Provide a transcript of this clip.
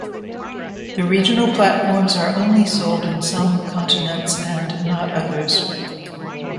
The regional platforms are only sold in some continents and not others.